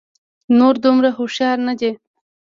نور دومره هوښيار نه دي